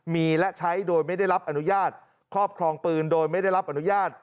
มีและใช้โดยไม่ได้รับอนุญาตครอบครองปืนโดยไม่ได้รับอนุญาต